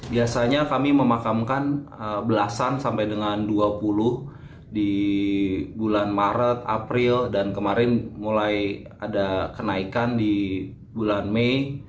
biasanya kami memakamkan belasan sampai dengan dua puluh di bulan maret april dan kemarin mulai ada kenaikan di bulan mei